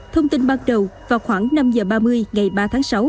thông tin ban đầu vào khoảng năm h ba mươi ngày ba tháng sáu